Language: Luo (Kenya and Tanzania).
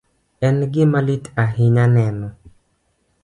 En gima lit ahinya neno